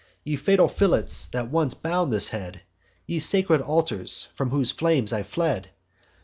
Ye fatal fillets, that once bound this head! Ye sacred altars, from whose flames I fled!